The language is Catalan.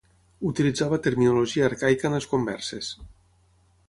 Utilitzava terminologia arcaica en les converses.